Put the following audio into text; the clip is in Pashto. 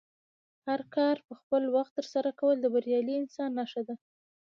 هر کار په خپل وخت ترسره کول د بریالي انسان نښه ده.